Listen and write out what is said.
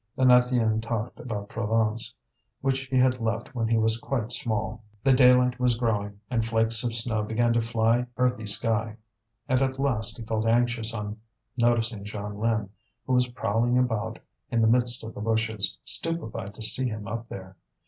Then Étienne talked about Provence, which he had left when he was quite small. The daylight was growing, and flakes of snow began to fly in the earthy sky. And at last he felt anxious on noticing Jeanlin, who was prowling about in the midst of the bushes, stupefied to see him up there.